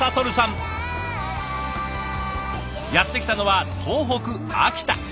やって来たのは東北秋田。